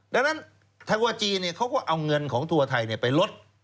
ดังนั้นทัวร์จีนเนี่ยเขาก็เอาเงินของทัวร์ไทยเนี่ยไปลด